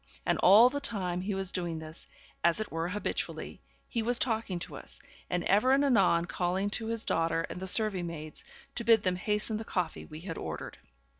And all the time he was doing this, as it were habitually, he was talking to us, and ever and anon calling to his daughter and the serving maids, to bid them hasten the coffee we had ordered.